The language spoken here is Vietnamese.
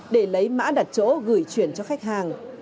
để lấy mã đặt chỗ gửi chuyển cho khách hàng